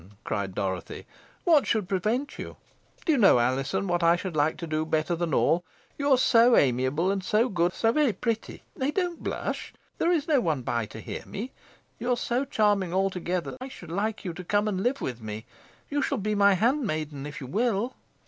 cried Dorothy. "What should prevent you? Do you know, Alizon, what I should like better than all? You are so amiable, and so good, and so so very pretty; nay, don't blush there is no one by to hear me you are so charming altogether, that I should like you to come and live with me. You shall be my handmaiden if you will."